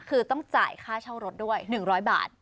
คือต้องจ่ายค่าเช่ารถด้วย๑๐๐บาท